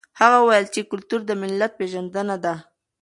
هغه وویل چې کلتور د ملت پېژندنه ده.